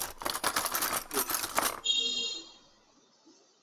文化功劳者。